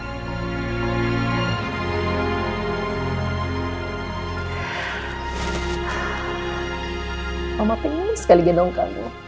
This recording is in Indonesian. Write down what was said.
saya ingin sekali lagi menunggu kamu